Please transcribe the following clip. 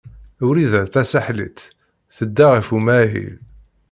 Wrida Tasaḥlit tedda ɣer umahil.